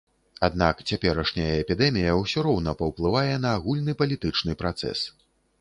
Аднак цяперашняя эпідэмія ўсё роўна паўплывае на агульны палітычны працэс.